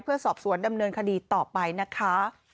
เพื่อสอบสวนดำเนินคดีต่อไปนะคะ